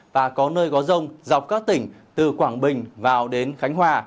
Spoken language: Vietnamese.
và có nơi có rông dọc các tỉnh từ quảng bình vào đến khánh hòa